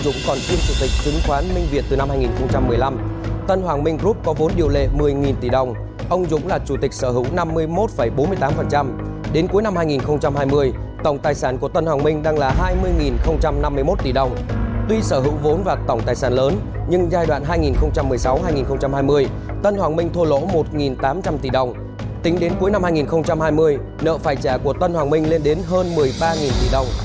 tính đến cuối năm hai nghìn hai mươi nợ phải trả của tân hoàng minh lên đến hơn một mươi ba tỷ đồng